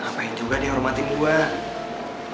ngapain juga dia hormatin gue